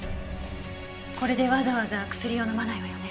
これでわざわざ薬を飲まないわよね。